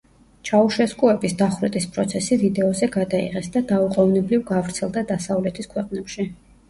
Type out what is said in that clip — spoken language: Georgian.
ჩაუშესკუების დახვრეტის პროცესი ვიდეოზე გადაიღეს და დაუყოვნებლივ გავრცელდა დასავლეთის ქვეყნებში.